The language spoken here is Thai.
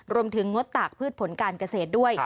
รวมถึงงดตากพืชผลการเกษตรด้วย